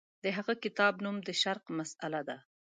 د هغه کتاب نوم د شرق مسأله ده.